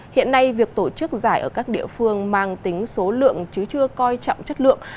hiện nay việc tổ chức giải ở các địa phương mang tính số lượng chứ chưa coi trọng chất lượng